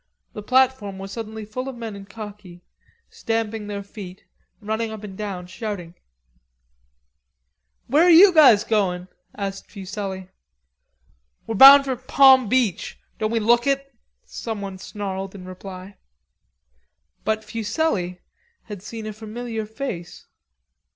The platform was suddenly full of men in khaki, stamping their feet, running up and down shouting. "Where you guys goin'?" asked Fuselli. "We're bound for Palm Beach. Don't we look it?" someone snarled in reply. But Fuselli had seen a familiar face.